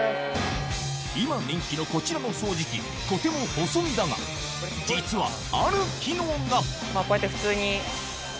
今人気のこちらの掃除機とても細身だが実はある機能がこうやって普通に。